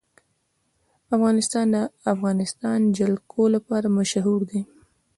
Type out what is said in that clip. افغانستان د د افغانستان جلکو لپاره مشهور دی.